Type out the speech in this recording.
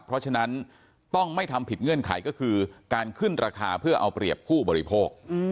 เพราะฉะนั้นต้องไม่ทำผิดเงื่อนไขก็คือการขึ้นราคาเพื่อเอาเปรียบผู้บริโภค